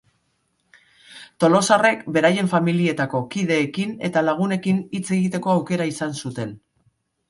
Tolosarrek beraien familietako kideekin eta lagunekin hitz egiteko aukera izan zuten.